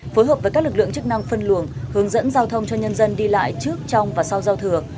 phối hợp với các lực lượng chức năng phân luồng hướng dẫn giao thông cho nhân dân đi lại trước trong và sau giao thừa